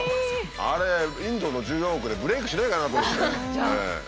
あれインドの１４億でブレークしないかなと思って。